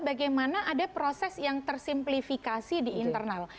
bagaimana ada proses yang tersimplifikasi di internal